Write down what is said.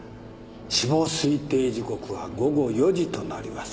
死亡推定時刻は午後４時となります。